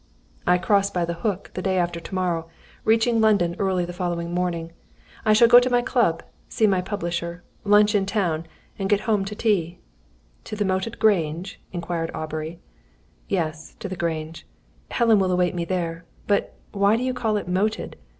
"I cross by the Hook, the day after to morrow, reaching London early the following morning. I shall go to my club, see my publisher, lunch in town, and get down home to tea." "To the moated Grange?" inquired Aubrey. "Yes, to the Grange. Helen will await me there. But why do you call it 'moated'?